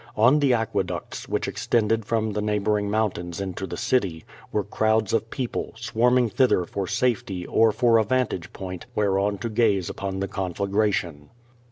On the aqueducts, which extended from the neighboring mountains into the city, were crowds of people, swarming thither for safety or for a vantage point whereon to gaze upon the conflagration.